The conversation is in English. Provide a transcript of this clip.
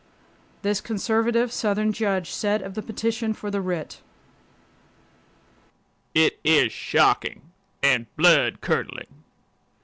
This conservative, Southern judge said of the petition for the writ, "It is shocking and blood curdling."